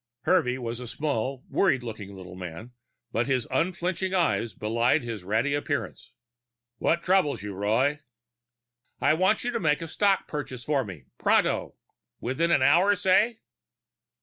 Hervey was a small, worried looking little man, but his unflickering eyes belied his ratty appearance. "What troubles you, Roy?" "I want you to make a stock purchase for me, pronto. Within an hour, say?"